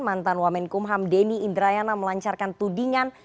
mantan wamenkumham denny indrayana melancarkan tudingan